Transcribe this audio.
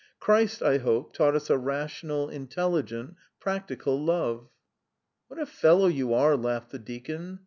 Christ, I hope, taught us a rational, intelligent, practical love." "What a fellow you are!" laughed the deacon.